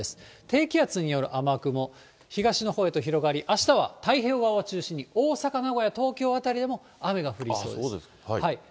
低気圧による雨雲、東のほうへと広がり、あしたは太平洋側を中心に、大阪、名古屋、東京辺りでも雨が降りそうです。